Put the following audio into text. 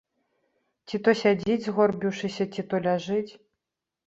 Ці то сядзіць, згорбіўшыся, ці то ляжыць.